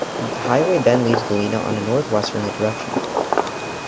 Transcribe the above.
The highway then leaves Galena on a northwesterly direction.